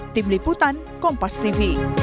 tim liputan kompas tv